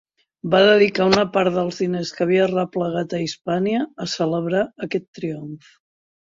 Va dedicar una part dels diners que havia arreplegat a Hispània a celebrar aquest triomf.